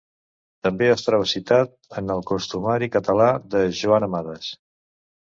També es troba citat en el "Costumari Català" de Joan Amades.